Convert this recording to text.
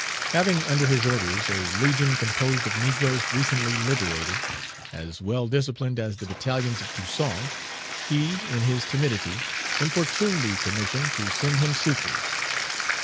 Having under his orders a legion composed of negroes recently liberated, as well disciplined as the battalions of Toussaint, he, in his timidity, importuned the Commission to send him succors.